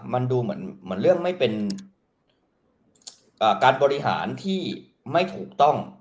มันดูเหมือนเรื่องไม่เป็นการบริหารที่ไม่ถูกต้อง